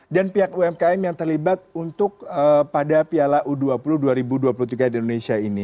dan pihak umkm yang terlibat untuk pada piala u dua puluh dua ribu dua puluh tiga di indonesia ini